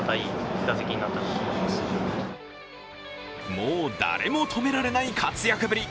もう誰も止められない活躍ぶり。